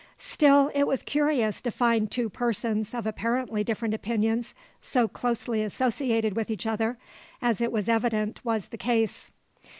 Still it was curious to find two persons of apparently different opinions so closely associated with each other, as it was evident was the case.